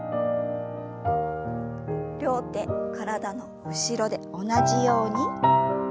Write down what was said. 両手体の後ろで同じように。